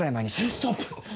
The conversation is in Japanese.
ストップ！